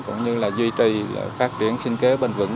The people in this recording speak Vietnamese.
cũng như là duy trì phát triển sinh kế bền vững